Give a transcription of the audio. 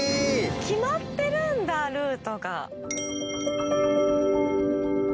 決まってるんだルートが。